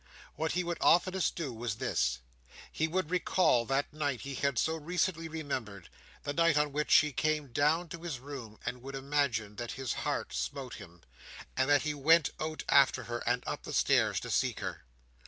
What he would oftenest do was this: he would recall that night he had so recently remembered, the night on which she came down to his room, and would imagine that his heart smote him, and that he went out after her, and up the stairs to seek her.